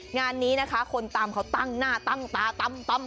งานนี้นะคะคนตำเขาตั้งหน้าตั้งตาตำ